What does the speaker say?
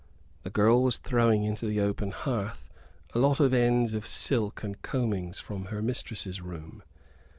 This girl was throwing into the open hearth a lot of ends of silk and combings from her mistress's room.